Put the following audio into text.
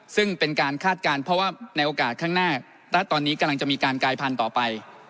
ซึ่งเป็นการคาดการณ์เพราะว่าในโอกาสข้างหน้าณตอนนี้กำลังจะมีการกายพันธุ์ต่อไป